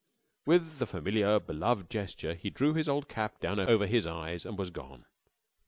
With the familiar, beloved gesture he drew his old cap down over his eyes, and was gone.